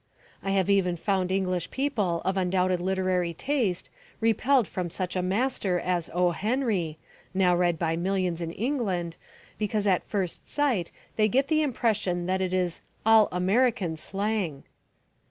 I have even found English people of undoubted literary taste repelled from such a master as O. Henry (now read by millions in England) because at first sight they get the impression that it is "all American slang."